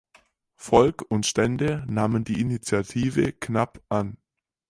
Volk und Stände nahmen die Initiative knapp an.